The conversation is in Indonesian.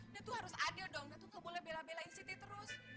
datuk harus adil dong datuk enggak boleh bela belain siti terus